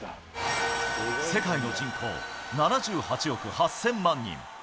世界の人口、７８億８０００万人。